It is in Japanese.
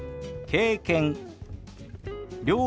「経験」。